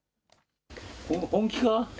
本気か？